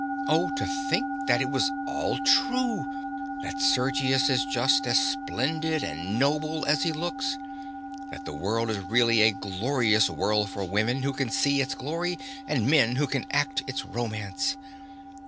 Oh, to think that it was all true—that Sergius is just as splendid and noble as he looks—that the world is really a glorious world for women who can see its glory and men who can act its romance!